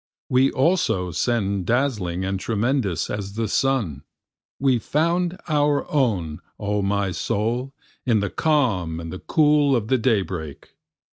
We also ascend dazzling and tremendous as the sun, We found our own O my soul in the calm and cool of the daybreak.